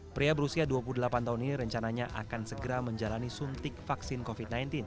pria berusia dua puluh delapan tahun ini rencananya akan segera menjalani suntik vaksin covid sembilan belas